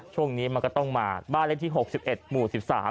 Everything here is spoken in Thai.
ช่วงนี้มันก็ต้องมาบ้านเลขที่๖๑หมู่๑๓